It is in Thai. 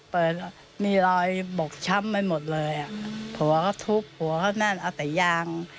เปิดมีรอยบกช้ำไว้หมดเลยผัวก็ทุกผัวก็นั่นเอาใส่ยาง